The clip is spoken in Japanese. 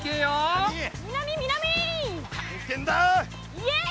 イエイ！